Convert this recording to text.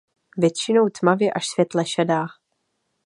Většinou tmavě až světle šedá.